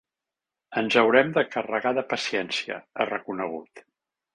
Ens haurem de carregar de paciència, ha reconegut.